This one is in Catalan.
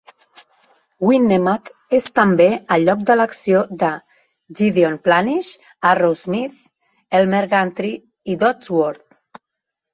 Winnemac és també el lloc de l'acció de "Gideon Planish", "Arrowsmith", "Elmer Gantry" i "Dodsworth".